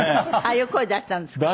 ああいう声出したんですか。